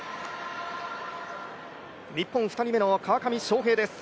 日本２人目の川上翔平です。